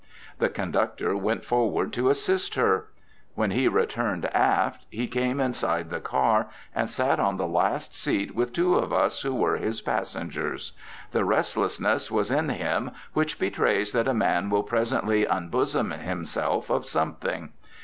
The conductor went forward to assist her. When he returned aft he came inside the car and sat on the last seat with two of us who were his passengers. The restlessness was in him which betrays that a man will presently unbosom himself of something.